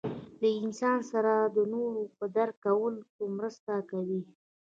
له انسان سره د نورو په درک کولو کې مرسته کوي.